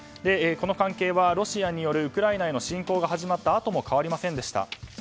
この関係はロシアによるウクライナへの侵攻が始まったあとも変わりませんでした。